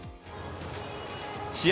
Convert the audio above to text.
試合